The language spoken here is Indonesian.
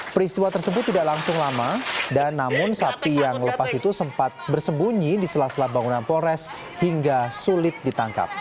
peristiwa tersebut tidak langsung lama dan namun sapi yang lepas itu sempat bersembunyi di sela sela bangunan polres hingga sulit ditangkap